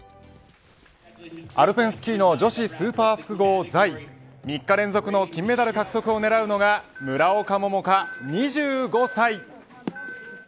アルペンスキーの女子スーパー複合座位３日連続の金メダル獲得をねらうのが村岡桃佳２５歳。